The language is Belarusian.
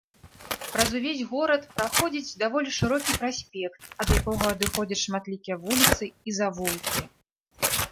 Праз увесь горад праходзіць даволі шырокі праспект, ад якога адыходзяць шматлікія вуліцы і завулкі.